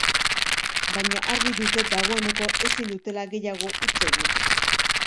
Baina, argi dute dagoeneko ezin dutela gehiago huts egin.